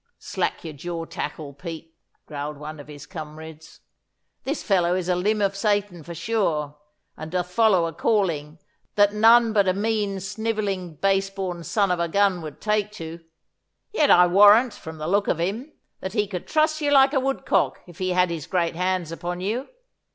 'Slack your jaw tackle, Pete,' growled one of his comrades. 'This fellow is a limb of Satan for sure, and doth follow a calling that none but a mean, snivelling, baseborn son of a gun would take to. Yet I warrant, from the look of him, that he could truss you like a woodcock if he had his great hands upon you.